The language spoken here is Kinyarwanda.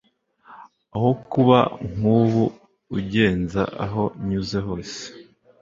aho kuba nk'ubu ungenza aho nyuze hose